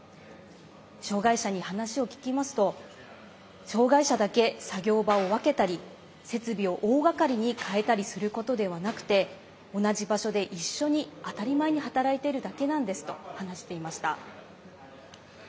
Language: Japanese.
障害者に話を聞きますと障害者だけ、作業場を分けたり設備を大がかりに変えたりすることではなくて同じ場所で一緒に当たり前に働いているだけなんですと話していました。